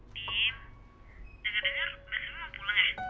tim denger denger mbak sumi mau pulang ya